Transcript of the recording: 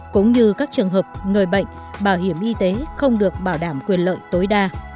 cũng như các trường hợp người bệnh bảo hiểm y tế không được bảo đảm quyền lợi tối đa